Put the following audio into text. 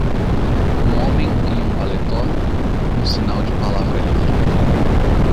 Um homem em um paletó com um sinal de "palavra livre".